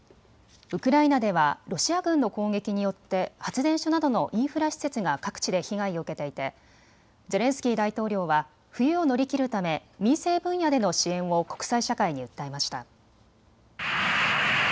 ウクライナではロシア軍の攻撃によって発電所などのインフラ施設が各地で被害を受けていてゼレンスキー大統領は冬を乗り切るため民生分野での支援を国際社会に訴えました。